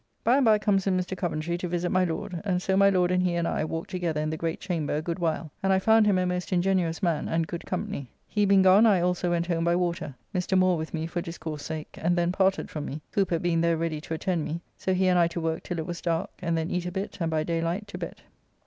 By and by comes in Mr. Coventry to visit my Lord; and so my Lord and he and I walked together in the great chamber a good while; and I found him a most ingenuous man and good company. He being gone I also went home by water, Mr. Moore with me for discourse sake, and then parted from me, Cooper being there ready to attend me, so he and I to work till it was dark, and then eat a bit and by daylight to bed.